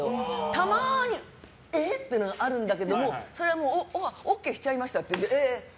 たまにえっ？というのがあるんだけどそれはＯＫしちゃいましたって。